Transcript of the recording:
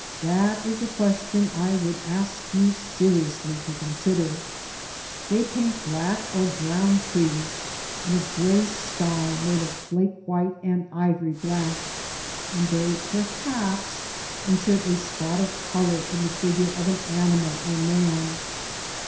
That is a question I would ask you seriously to consider. They paint black or brown trees, and a grey sky made of flake white and ivory black, and thqr perhaps insert a spot of colour in the figure of an animal or man.